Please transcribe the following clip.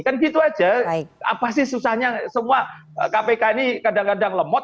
kan gitu aja apa sih susahnya semua kpk ini kadang kadang lemot